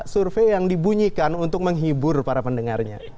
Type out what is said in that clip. survei yang dibunyikan untuk menghibur para pendengarnya